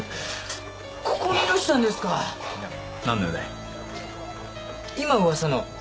ここにいらしたんですか何の用だい？